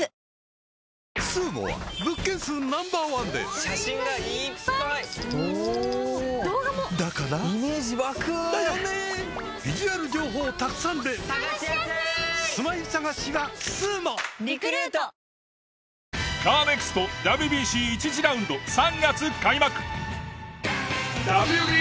三井不動産カーネクストＷＢＣ１次ラウンド３月開幕！